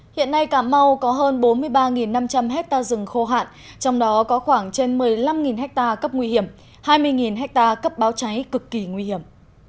hiện nay cà mau có hơn bốn mươi ba năm trăm linh hectare rừng khô hạn trong đó có khoảng trên một mươi năm ha cấp nguy hiểm hai mươi ha cấp báo cháy cực kỳ nguy hiểm